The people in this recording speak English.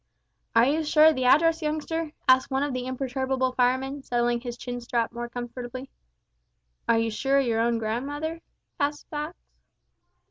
"Are you sure of the address, youngster?" asked one of the imperturbable firemen, settling his chinstrap more comfortably. "Are you sure o' your own grandmother?" said Pax.